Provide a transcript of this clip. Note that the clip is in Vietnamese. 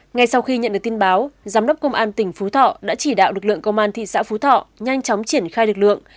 ngay sau khi nhận được tin báo giám đốc công an tỉnh phú thọ đã chỉ đạo lực lượng công an thị xã phú thọ nhanh chóng triển khai lực lượng